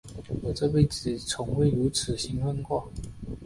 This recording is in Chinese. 我这辈子从未如此兴奋过。